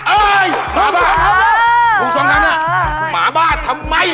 เออหมาบ้าหมาบ้าทำไม